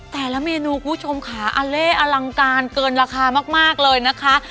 แต่ละเมนูคุณผู้ชมค่ะอเล่อลังการเกินราคามากเลยนะคะ